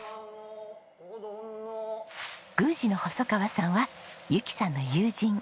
宮司の細川さんは由紀さんの友人。